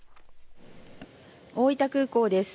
大分空港です。